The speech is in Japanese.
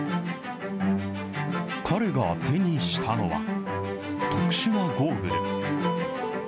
彼が手にしたのは、特殊なゴーグル。